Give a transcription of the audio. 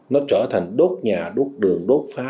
nó trở thành đốt nhà đốt đường đốt phá